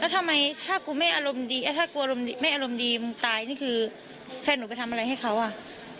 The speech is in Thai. แล้วทำไมถ้ากลัวไม่อารมณ์ดีตายนี่คือแฟนหนูไปทำอะไรให้เขาอ่ะ